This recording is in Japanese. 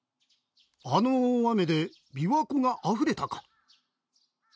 あの大雨で琵琶湖があふれたか。